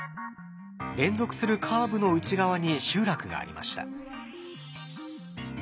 連続するカーブの内側に集落がありました。